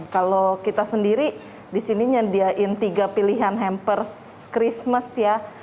kalau kita sendiri disini menyediakan tiga pilihan hampers christmas ya